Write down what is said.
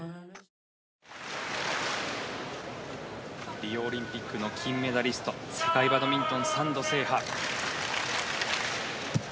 リオオリンピックの金メダリスト世界バドミントン３度制覇。